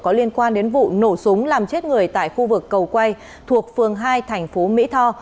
có liên quan đến vụ nổ súng làm chết người tại khu vực cầu quay thuộc phường hai thành phố mỹ tho